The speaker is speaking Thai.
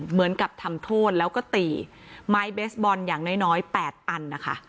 เหมือนกับทำโทษแล้วก็ตีไม้เบสบอลอย่างน้อย๘อันนะคะ